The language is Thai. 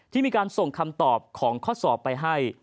ที่มีการส่งคำตอบของข้อสอบไปให้